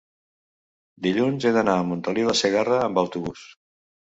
dilluns he d'anar a Montoliu de Segarra amb autobús.